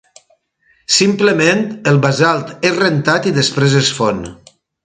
Simplement, el basalt és rentat i després es fon.